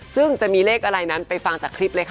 ซึ่งจะมีเลขอะไรนั้นไปฟังจากคลิปเลยค่ะ